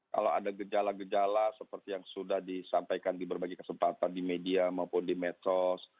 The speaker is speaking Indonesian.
kalau ada gejala gejala seperti yang sudah disampaikan di berbagai kesempatan di media maupun di medsos